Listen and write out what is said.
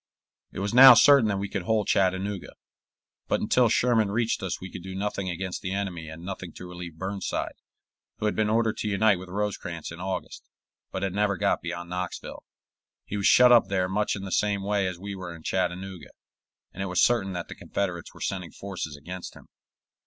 It was now certain that we could hold Chattanooga; but until Sherman reached us we could do nothing against the enemy and nothing to relieve Burnside, who had been ordered to unite with Rosecrans in August, but had never got beyond Knoxville. He was shut up there much in the same way as we were in Chattanooga, and it was certain that the Confederates were sending forces against him.